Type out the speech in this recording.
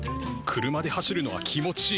車で走るのは気持ちいい。